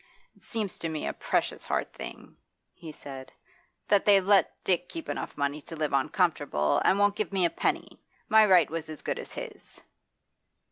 'It seems to me a precious hard thing,' he said, 'that they've let Dick keep enough money to live on comfortable, and won't give me a penny. My right was as good as his.